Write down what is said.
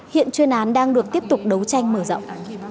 hiện chuyên án đang được tiếp tục đấu tranh mở rộng